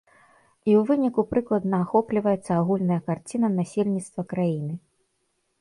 І ў выніку прыкладна ахопліваецца агульная карціна насельніцтва краіны.